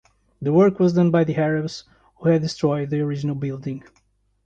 The work was done by the Arabs who had destroyed the original building.